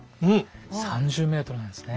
３０ｍなんですね。